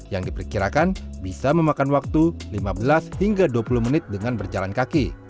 yang diperkirakan bisa memakan waktu lima belas hingga dua puluh menit dengan berjalan kaki